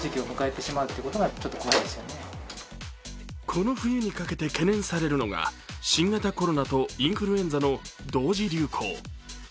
この冬にかけて懸念されるのが新型コロナとインフルエンザの同時流行。